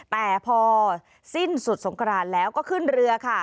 แต่พอสิ้นสุดสงครานแล้วก็ขึ้นเรือค่ะ